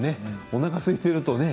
おなかがすいているとね。